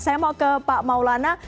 saya mau ke pak maulana